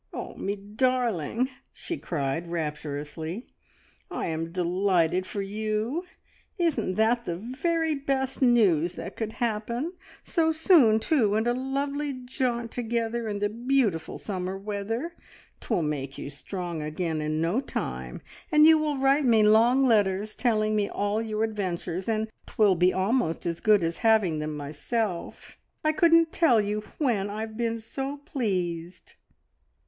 "Oh, me darling," she cried rapturously, "I am delighted for you! Isn't that the very best news that could happen? So soon, too, and a lovely jaunt together in the beautiful summer weather. 'Twill make you strong again in no time, and you will write me long letters telling me all your adventures, and 'twill be almost as good as having them myself. I couldn't tell you when I've been so pleased!"